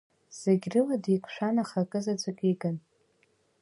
Зегь рыла деиқәшәан, аха акы заҵәык игын…